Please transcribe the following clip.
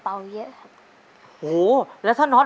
ต้นไม้ประจำจังหวัดระยองการครับ